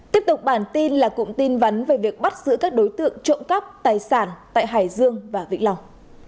tiếp tục bản tin là cụm tin vắn về việc bắt giữ các đối tượng trộm cắp tài sản tại hải dương và vĩnh long